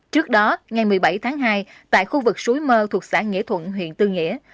trước đó ngày một mươi bảy tháng hai tại khu vực suối mơ thuộc xã nghĩa thuận huyện tư nghĩa